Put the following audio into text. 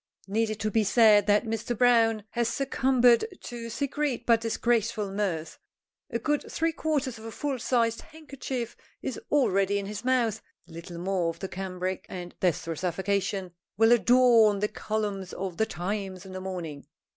Need it be said that Mr. Browne has succumbed to secret but disgraceful mirth. A good three quarters of a full sized handkerchief is already in his mouth a little more of the cambric and "death through suffocation" will adorn the columns of the Times in the morning.